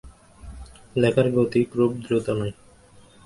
লেখার গতি খুব দ্রুত নয়।